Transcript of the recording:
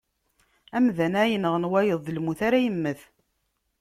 Amdan ara yenɣen wayeḍ, d lmut ara yemmet.